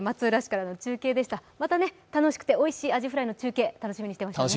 またね、楽しくておいしいアジフライの中継、楽しみにしています。